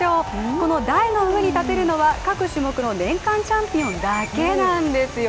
この台の上に立てるのは各種目の年間チャンピオンだけなんですよ。